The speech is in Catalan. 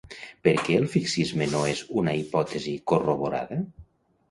Per què el fixisme no és una hipòtesi corroborada?